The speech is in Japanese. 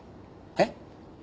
えっ？